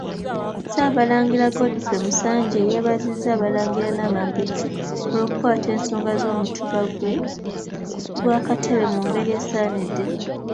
Ssaabalangira Godfrey Musanje, yeebazizza Abalangira n'Abambejja olw'okukwata ensonga z'omutuba gwa Katebe mu ngeri esaanidde.